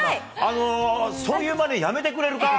そういうまね、やめてくれるか。